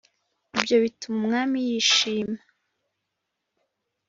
Ibyo bituma umwami yishima